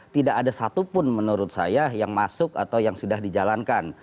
tidak ada satupun menurut saya yang masuk atau yang sudah dijalankan